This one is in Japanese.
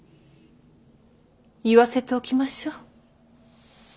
言わせておきましょう。